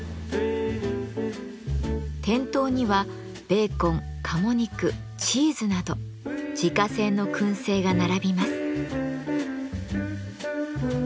店頭にはベーコン鴨肉チーズなど自家製の燻製が並びます。